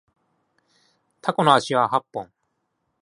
タコの足は八本